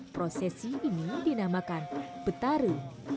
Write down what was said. prosesi ini dinamakan petara